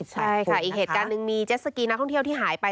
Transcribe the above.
ใช่ค่ะอีกเหตุการณ์หนึ่งมีเจ็ดสกีนักท่องเที่ยวที่หายไป